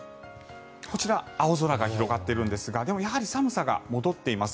こちら、青空が広がっているんですがでもやはり寒さが戻っています。